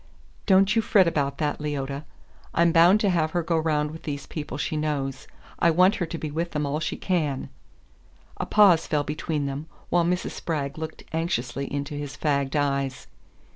"Don't you fret about that, Leota. I'm bound to have her go round with these people she knows. I want her to be with them all she can." A pause fell between them, while Mrs. Spragg looked anxiously into his fagged eyes.